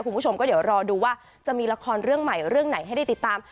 คุณผู้ชมก็เดี๋ยวรอดูว่าจะมีละครเรื่องใหม่เรื่องไหนให้ได้ติดตาม